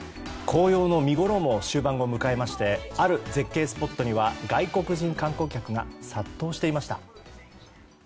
紅葉の見ごろも終盤を迎えましてある絶景スポットには外国人観光客が殺到していました。